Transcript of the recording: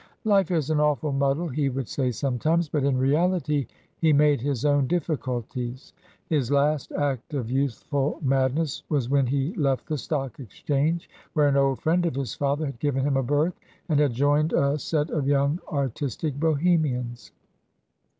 "Life is an awful muddle," he would say sometimes; but in reality he made his own difficulties. His last act of youthful madness was when he left the Stock Exchange, where an old friend of his father had given him a berth, and had joined a set of young artistic Bohemians.